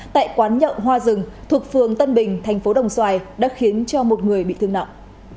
tại quán nhậu hoa rừng thuộc phường tân bình thành phố đồng xoài đã khiến cho một người bị thương nặng